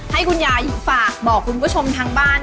ให้คุณยายฝากบอกคุณผู้ชมทางบ้าน